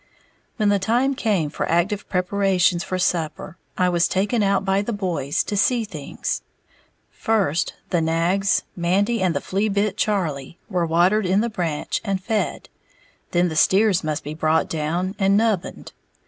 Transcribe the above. When the time came for active preparations for supper, I was taken out by the boys to "see things." First, the nags, Mandy and the "flea bit" Charlie, were watered in the branch, and fed; then the steers must be brought down and "nubbined."